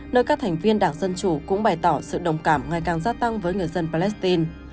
nơi các thành viên đảng dân chủ cũng bày tỏ sự đồng cảm ngày càng gia tăng với người dân palestine